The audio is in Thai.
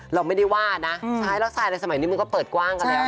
เราไม่ได้ว่านะใช้ลักษณะในสมัยนี้มันก็เปิดกว้างกันแล้วนะคะ